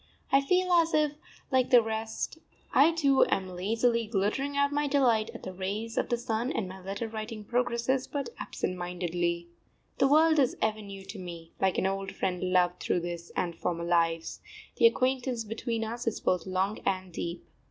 I feel as if, like the rest, I too am lazily glittering out my delight at the rays of the sun, and my letter writing progresses but absent mindedly. The world is ever new to me; like an old friend loved through this and former lives, the acquaintance between us is both long and deep.